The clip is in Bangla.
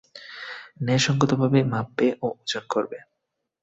ন্যায়সংগতভাবে মাপবে ও ওজন করবে।